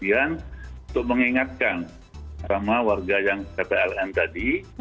untuk mengingatkan sama warga yang ppln tadi